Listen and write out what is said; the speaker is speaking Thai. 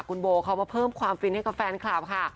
คุณโบเขามาเพิ่มความฟินให้กับแฟนคลับค่ะ